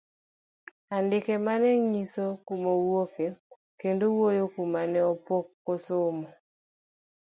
Andike mane ng'iso kuma owuoke kendo wuoyo kuome ne pok osomo.